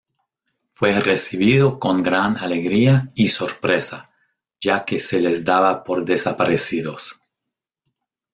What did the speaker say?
Fue recibido con gran alegría y sorpresa, ya que se les daba por desaparecidos.